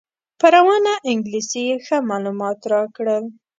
په روانه انګلیسي یې ښه معلومات راکړل.